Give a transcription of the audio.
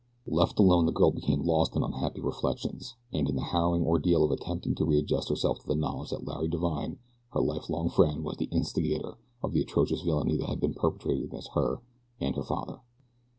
Left alone the girl became lost in unhappy reflections, and in the harrowing ordeal of attempting to readjust herself to the knowledge that Larry Divine, her lifelong friend, was the instigator of the atrocious villainy that had been perpetrated against her and her father.